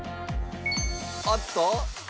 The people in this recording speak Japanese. あっと！